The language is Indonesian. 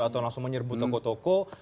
atau langsung menyerbu toko toko